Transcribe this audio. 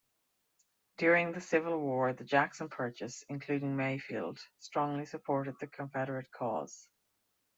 During the Civil War, the Jackson Purchase including Mayfield strongly supported the Confederate cause.